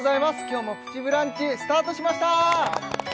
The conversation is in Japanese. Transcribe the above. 今日も「プチブランチ」スタートしました！